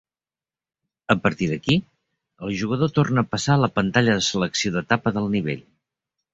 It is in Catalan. A partir d'aquí, el jugador torna a passar a la pantalla de selecció d'etapa del nivell.